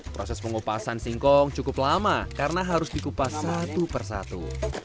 proses pengupasan singkong cukup lama karena harus dikupas satu persatu